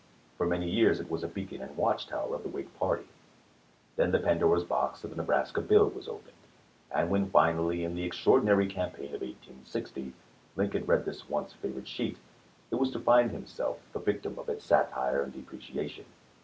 For many years it was a beacon and watch tower of the Whig party; then the Pandora's box of the Nebraska bill was opened ; and when finally in the extraor dinary campaign of 1860 Lincoln read this once favorite sheet, it was to find himself the victim of its satire and depreciation.